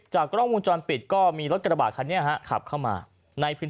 กล้องวงจรปิดก็มีรถกระบาดคันนี้ฮะขับเข้ามาในพื้น